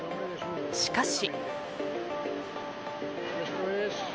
しかし。